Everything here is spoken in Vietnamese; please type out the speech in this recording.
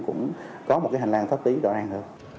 cũng có một hành lang thấp tí rõ ràng hơn